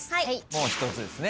もう１つですね。